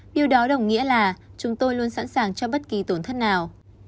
điều đó đồng nghĩa là chúng tôi luôn sẵn sàng cho bất kỳ tổn thất nào